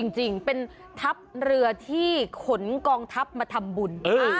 จริงเป็นทัพเรือที่ขนกองทัพมาทำบุญ